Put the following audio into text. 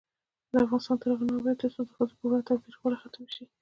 افغانستان تر هغو نه ابادیږي، ترڅو د ښځو پر وړاندې تاوتریخوالی ختم نشي.